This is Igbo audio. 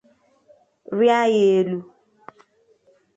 rịa ya elu